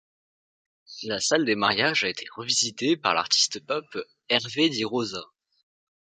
La salle des mariages a été revisitée par l'artiste pop Hervé di Rosa.